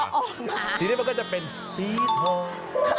ทีนี้มันก็จะเป็นสีทอง